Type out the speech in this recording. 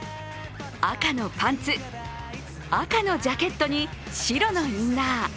赤のパンツ、赤のジャケットに白のインナー。